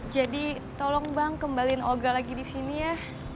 jadi tolong bang kembalin olga lagi di sini ya